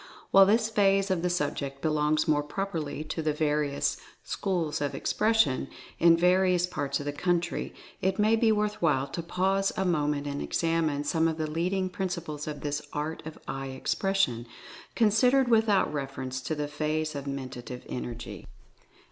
While this phase of the sub ject belongs more properly to the various "Schools of Expression" in various parts of the country, it may be worth while to pause a moment and examine some of the leading principles of this Art of Eye Expres sion, considered without reference to the phase of Mentative Energy.